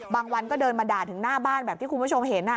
บางวันก็เดินมาด่าถึงหน้าบ้านแบบที่คุณผู้ชมเห็น